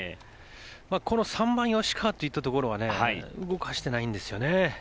この３番、吉川といったところは動かしてないんですよね。